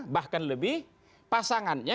bahkan lebih pasangannya